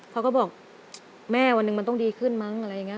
เขาก็บอกแม่วันหนึ่งมันต้องดีขึ้นมั้งอะไรอย่างนี้